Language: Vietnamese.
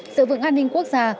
sự vững an ninh quốc gia